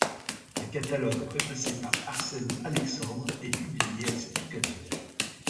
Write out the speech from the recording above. Un catalogue, préfacé par Arsène Alexandre, est publié à cette occasion.